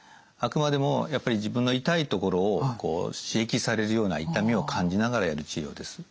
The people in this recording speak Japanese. あくまでもやっぱり自分の痛いところをこう刺激されるような痛みを感じながらやる治療です。